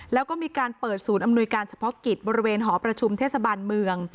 แล้วก็มีการเปิดศูนย์อำนวยการเฉพาะกิจบริเวณหอประชุมเทศบาลเมือง